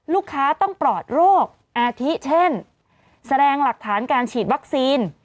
ลูกค้าต้องปลอดโรคอาทิเช่นแสดงหลักฐานการฉีดวัคซีน